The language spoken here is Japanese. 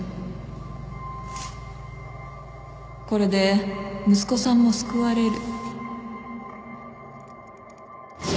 これで息子さんも救われる